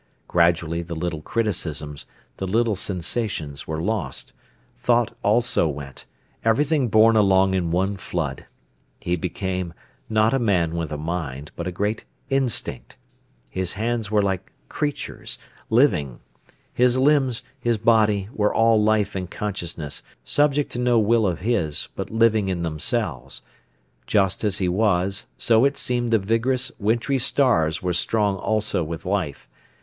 Gradually the little criticisms, the little sensations, were lost, thought also went, everything borne along in one flood. He became, not a man with a mind, but a great instinct. His hands were like creatures, living; his limbs, his body, were all life and consciousness, subject to no will of his, but living in themselves. Just as he was, so it seemed the vigorous, wintry stars were strong also with life.